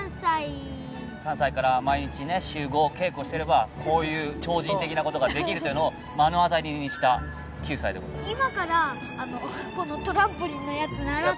３歳から毎日週５稽古してればこういう超人的なことができるというのを目の当たりにした９歳でございます。